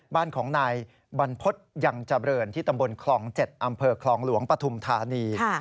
บ้านของนายบรรพฤษยังเจริญที่ตำบลคลอง๗อำเภอคลองหลวงปฐุมธานี